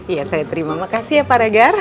ya saya terima makasih ya pak regar